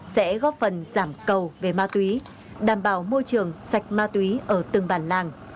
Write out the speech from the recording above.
sẽ góp phần giảm cầu về mát túy đảm bảo môi trường sạch mát túy ở từng bàn làng